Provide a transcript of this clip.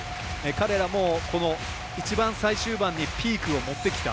彼らも、一番最終盤にピークを持ってきた。